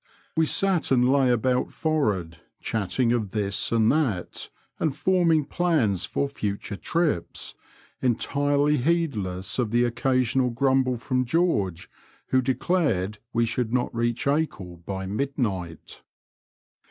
We sat and lay about for'ard, chatting of this and that, and forming plans for future trips, entirely heedless of the occasional grumble from George, who declared we should not reach Acle by midnight.